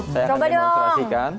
saya akan demonstrasikan